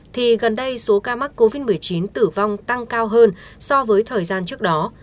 thì gần đây số ca mắc covid một mươi chín tử vong tăng cao hơn so với thời gian trước đó